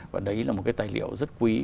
và đấy là một cái tài liệu rất quý